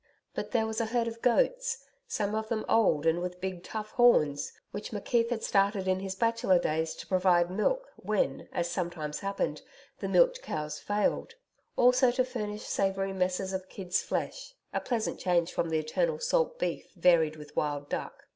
But there was a herd of goats some of them old and with big tough horns which McKeith had started in his bachelor days to provide milk when, as sometimes happened, the milch cows failed; also to furnish savoury messes of kid's flesh a pleasant change from the eternal salt beef varied with wild duck.